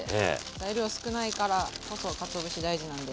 材料少ないからこそかつお節大事なんで。